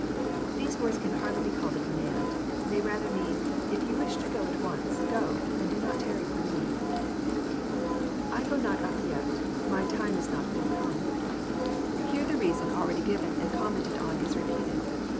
'] These words can hardly be called a command. They rather mean, If you wish to go at once, go, and do not tarry for Me." llffo not up yct„.my time ia not yet full com^.] Here the rea J JOHN, CHAP. VII. 11 son already given and commented on is repeated.